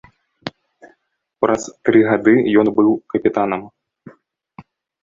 Праз тры гады ён быў капітанам.